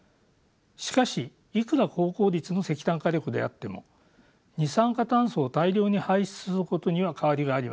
しかしいくら高効率の石炭火力であっても二酸化炭素を大量に排出することには変わりがありません。